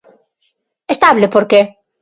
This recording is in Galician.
¿Estable por que?